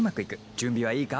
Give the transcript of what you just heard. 準備はいいか？